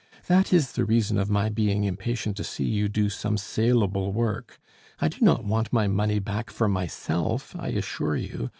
That is the reason of my being impatient to see you do some salable work. I do not want my money back for myself, I assure you!